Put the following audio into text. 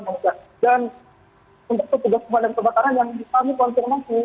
dan untuk petugas kebakaran yang kami konfirmasi tadi